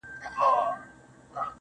چاته د دار خبري ډيري ښې دي~